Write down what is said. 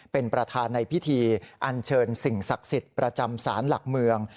เป็นประธานในพิธีอันเชิญสิ่งศักดิ์สิทธิ์ประจำศาลหลักเมือง